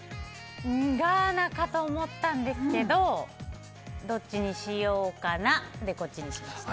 ガーナかと思ったんですけどどっちにしようかなでこっちにしました。